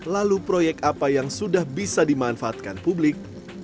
lalu proyek apa yang sudah bisa dimanfaatkan publik